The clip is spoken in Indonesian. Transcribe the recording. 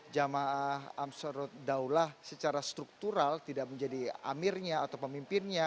jamaah amsaruddaulah secara struktural tidak menjadi amirnya atau pemimpinnya